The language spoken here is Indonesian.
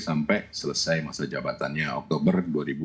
sampai selesai masa jabatannya oktober dua ribu dua puluh empat